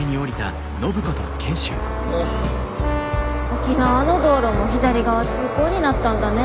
沖縄の道路も左側通行になったんだね。